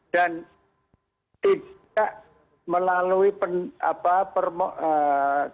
dan tidak melalui permohonan